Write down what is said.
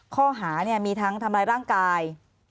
ข้อหามีทั้งทำร้ายร่างกาย